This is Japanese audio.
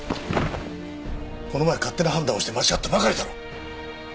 この前勝手な判断をして間違ったばかりだろう！